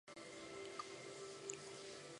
五代因之。